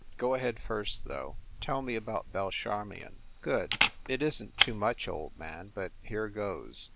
"Go ahead first, though. Tell me about Belle Charmion." "Good. It isn t too much, old man, but here goes.